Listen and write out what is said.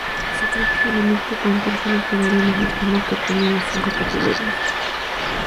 Se trata del único concurso literario mexicano que premia las cinco categorías.